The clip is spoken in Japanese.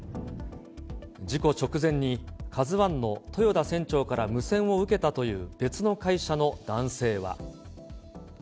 事故直前にカズワンの豊田船長から無線を受けたという別の会社の男性は。